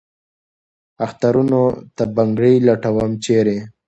اخترونو ته بنګړي لټوم ، چېرې ؟